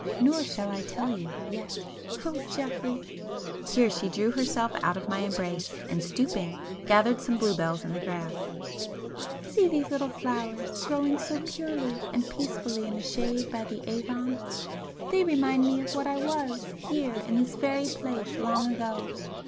Nor shall I tell you—yet. Oh Geoffrey!—" Here she drew herself out of my embrace, and stooping, gathered some bluebells in the grass—"See these little flowers growing so purely and peacefully in the shade by the Avon!—they remind me of what I was, here in this very place, long ago.